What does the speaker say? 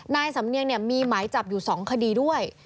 นายสำเนียงมีหมายจับอยู่๒คดีด้วย